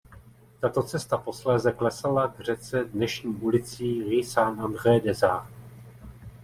Tato cesta posléze klesala k řece dnešní ulicí "Rue Saint André des Arts".